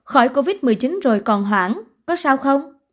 khỏi covid một mươi chín rồi còn hoãn có sao không